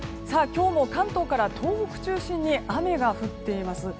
今日も関東から東北中心に雨が降っています。